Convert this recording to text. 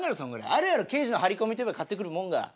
あるやろ刑事の張り込みといえば買ってくるもんが。